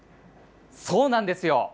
そうなんですよ。